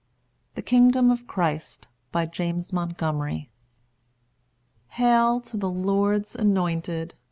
_ THE KINGDOM OF CHRIST. BY JAMES MONTGOMERY. Hail to the Lord's anointed!